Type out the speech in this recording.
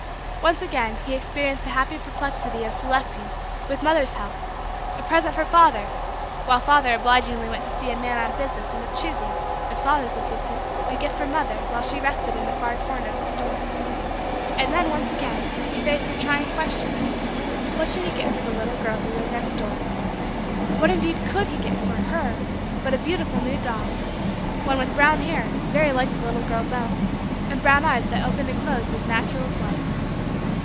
Once again, he experienced the happy perplexity of selecting with mother's help a present for father while father obligingly went to see a man on business and of choosing with father's assistance a gift for mother while she rested in a far corner of the store. And then, once again, he faced the trying question: what should he get for the little girl who lived next door. What, indeed, could he get for her but a beautiful new doll one with brown hair, very like the little girl's own, and brown eyes that opened and closed as natural as life.